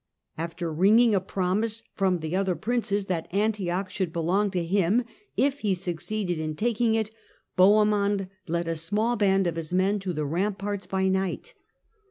After wringing a promise from the other princes that Antioch should belong to him if he succeeded in taking it, Bohemond led a small band of his men to the ramparts by night.